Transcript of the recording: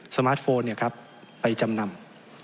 สมาร์ทโฟนเนี่ยครับไปจำนำ